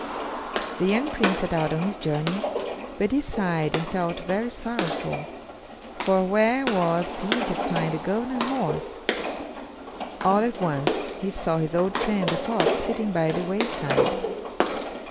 The young Prince set out on his journey, but he sighed and felt very sorrowful, for where was he to find the golden horse? All at once, he saw his old friend, the fox, sitting by the wayside.